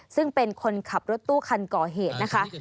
ซึ่งเป็นคนขับรถตู้คันก่อเหตุนะคะ